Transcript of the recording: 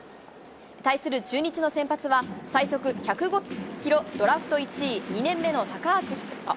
対する中日の先発は、最速１０５キロ、ドラフト１位、２年目の高橋。